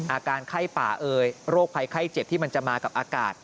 อาการไข้ป่าเอ่ยโรคภัยไข้เจ็บที่มันจะมากับอากาศ